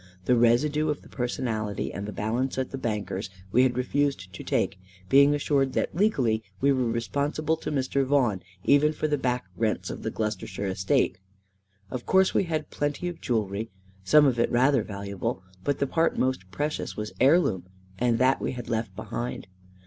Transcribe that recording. The residue of the personalty, and the balance at the banker's, we had refused to take, being assured that legally we were responsible to Mr. Vaughan, even for the back rents of the Gloucestershire estate. Of course we had plenty of jewellery, some of it rather valuable, but the part most precious was heirloom, and that we had left behind.